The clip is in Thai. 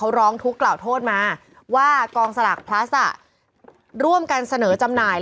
เขาร้องทุกข์กล่าวโทษมาว่ากองสลากพลัสร่วมกันเสนอจำหน่าย